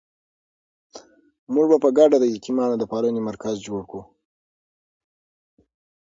موږ به په ګډه د یتیمانو د پالنې مرکز جوړ کړو.